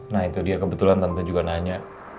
nah itu dia kebetulan tante juga nanya